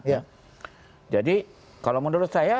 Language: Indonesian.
ya jadi kalau menurut saya